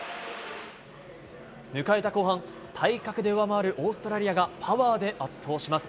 向かえた後半体格で上回るオーストラリアがパワーで圧倒します。